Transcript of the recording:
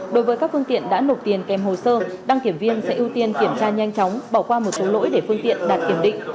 đối với các phương tiện đã nộp tiền kèm hồ sơ đăng kiểm viên sẽ ưu tiên kiểm tra nhanh chóng bỏ qua một số lỗi để phương tiện đạt kiểm định